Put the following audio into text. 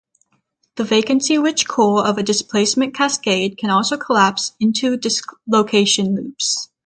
The vacancy-rich core of a displacement cascade can also collapse in to dislocation loops.